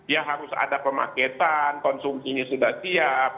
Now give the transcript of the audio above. ya harus ada pemaketan konsumsinya sudah siap